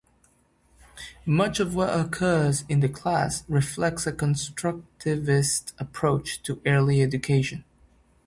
Much of what occurs in the class reflects a constructivist approach to early education.